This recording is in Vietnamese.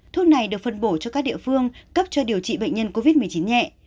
thuốc này được phân bổ cho các địa phương cấp cho điều trị bệnh nhân covid một mươi chín nhẹ